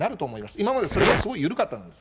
今までそれがすごい緩かったんです。